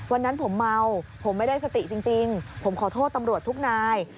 วันนั้นผมเมาผมไม่ได้สติจริงผมขอโทษตำรวจทุกนาย